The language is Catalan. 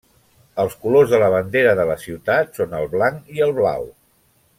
Els colors de la bandera de la ciutat són el blanc i el blau.